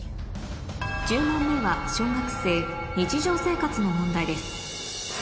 １０問目は小学生日常生活の問題です